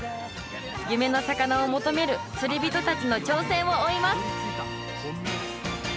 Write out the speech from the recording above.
夢の魚を求める釣り人たちの挑戦を追います！